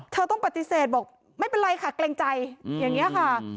ต้องปฏิเสธบอกไม่เป็นไรค่ะเกรงใจอย่างนี้ค่ะ